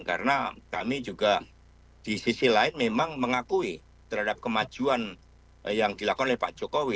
karena kami juga di sisi lain memang mengakui terhadap kemajuan yang dilakukan oleh pak jokowi